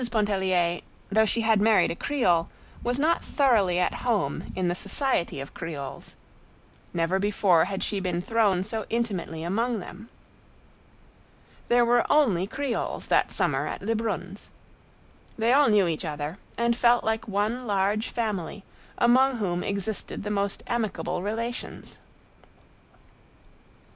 Pontellier, though she had married a Creole, was not thoroughly at home in the society of Creoles; never before had she been thrown so intimately among them. There were only Creoles that summer at Lebrun's. They all knew each other, and felt like one large family, among whom existed the most amicable relations.